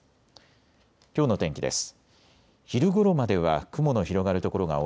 きょうの天気です。